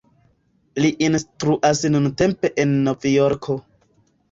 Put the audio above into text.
Li instruas nuntempe en Novjorko.